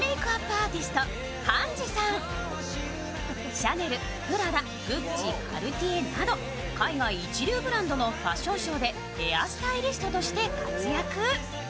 シャネル、プラダグッチ、カルティエなど海外一流ブランドのファッションショーでヘアスタイリストとして活躍。